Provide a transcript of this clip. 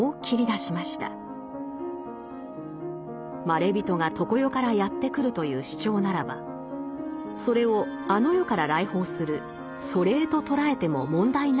まれびとが常世からやって来るという主張ならばそれをあの世から来訪する祖霊と捉えても問題ないのではないか。